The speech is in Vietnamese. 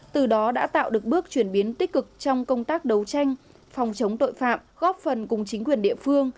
từ đó đã tạo được bước chuyển biến tích cực trong công tác đấu tranh phòng chống tội phạm góp phần cùng chính quyền địa phương